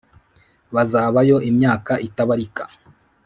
bazabayo imyaka itabarika.